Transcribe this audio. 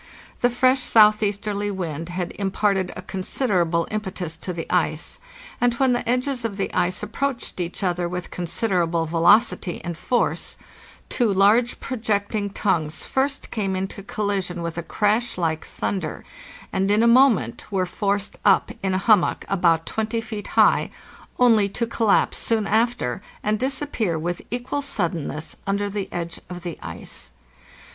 The fresh southeasterly wind had imparted a considerable impetus to the ice, and when the edges of the ice approached each other with considerable velocity and force, two large projecting tongues first came into collision with a crash like thunder, and in a moment were forced up in a hum mock about 20 feet high, only to collapse soon after, and disap pear with equal suddenness under the edge of the ice.